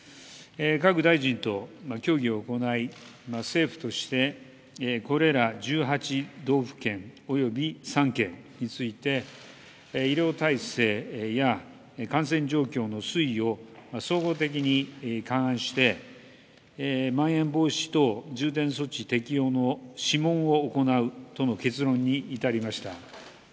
各大臣と協議を行い、政府として、これら１８道府県および３県について、医療体制や感染状況の推移を総合的に勘案して、まん延防止等重点措置適用の諮問を行うとの結論に至りました。